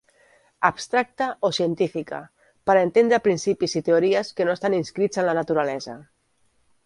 Abstracta o científica: per entendre principis i teories que no estan inscrits en la naturalesa.